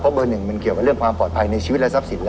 เพราะว่าเบอร์๑มันเกี่ยวของการปลอดภัยในชีวิตและทรัพย์สินละ